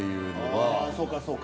ああそうかそうか。